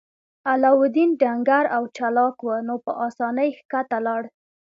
علاوالدین ډنګر او چلاک و نو په اسانۍ ښکته لاړ.